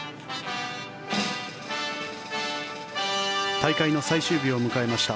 大会の最終日を迎えました。